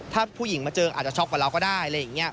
ถ้าผู้หญิงมาเจออาจจะช็อกกว่าเราก็ได้